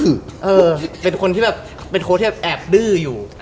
เออเป็นโค้ชที่แบบแอบดื้ออยู่